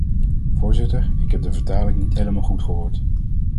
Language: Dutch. Voorzitter, ik heb de vertaling niet helemaal goed gehoord.